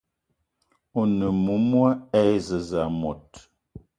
One moumoua e zez mot